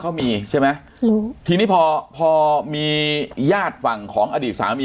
เขามีใช่ไหมรู้ทีนี้พอพอมีญาติฝั่งของอดีตสามี